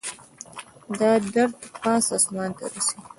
دا درد پاس اسمان ته رسي